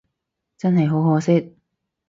真係好可惜